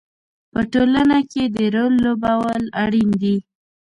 په ټولنه کې د رول لوبول اړین دي.